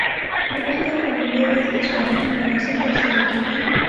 د اختر په لومړۍ ورځ د ځوانانو مراسم ترسره کېږي.